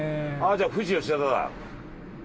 じゃあ富士吉田だ。